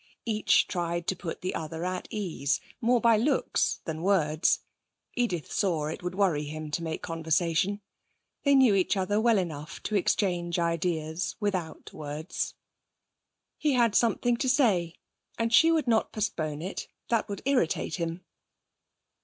Each tried to put the other at ease, more by looks than words. Edith saw it would worry him to make conversation. They knew each other well enough to exchange ideas without words. He had something to say and she would not postpone it. That would irritate him.